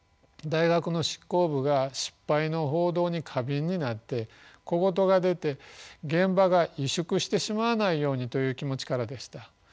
大学の執行部が失敗の報道に過敏になって小言が出て現場が萎縮してしまわないようにという気持ちからでした。